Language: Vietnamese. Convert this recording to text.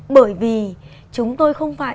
bởi vì chúng tôi không phải